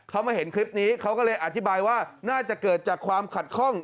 เขามาเห็นคลิปนี้เขาก็เลยอธิบายว่าน่าจะเกิดจากความขัดข้อง